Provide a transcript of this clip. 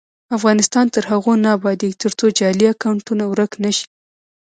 افغانستان تر هغو نه ابادیږي، ترڅو جعلي اکونټونه ورک نشي.